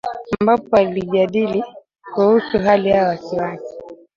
ambapo alijadili kuhusu hali ya wasi wasi